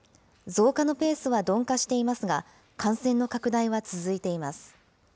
増加のペースは鈍化していますが、感染の拡大は続いています。